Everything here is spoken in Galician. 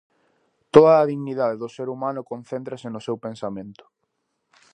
Toda a dignidade do ser humano concéntrase no seu pensamento.